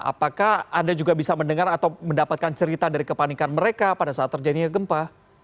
apakah anda juga bisa mendengar atau mendapatkan cerita dari kepanikan mereka pada saat terjadinya gempa